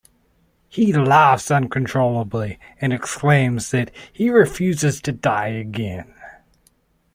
He laughs uncontrollably, and exclaims that he refuses to die again.